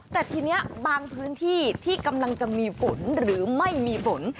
แต่ทีนี้บางพื้นที่ที่กำลังจะมีฝนหรือไม่มีฝน